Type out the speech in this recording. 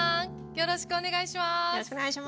よろしくお願いします。